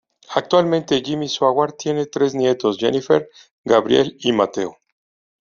Actualmente Jimmy Swaggart tiene tres nietos, Jennifer, Gabriel y Mateo.